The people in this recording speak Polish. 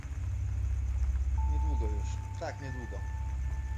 "Tak niedługo już, tak niedługo!"